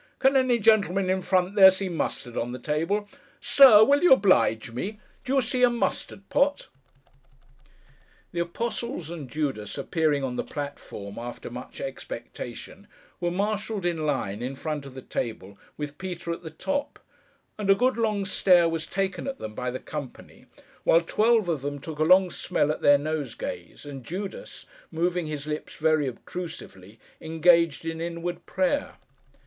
Can any gentleman, in front there, see mustard on the table? Sir, will you oblige me! Do you see a Mustard Pot?' The apostles and Judas appearing on the platform, after much expectation, were marshalled, in line, in front of the table, with Peter at the top; and a good long stare was taken at them by the company, while twelve of them took a long smell at their nosegays, and Judas—moving his lips very obtrusively—engaged in inward prayer.